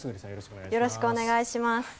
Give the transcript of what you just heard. よろしくお願いします。